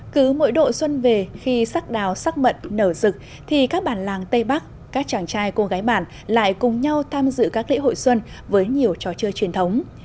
cứ mỗi độ xuân về khi sắc đào sắc mận nở rực thì các bản làng tây bắc các chàng trai cô gái bản lại cùng nhau tham dự các lễ hội xuân với nhiều trò chơi truyền thống